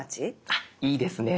あいいですね。